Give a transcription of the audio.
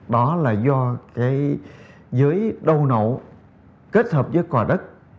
đó là do giới đầu nậu kết hợp với cò đất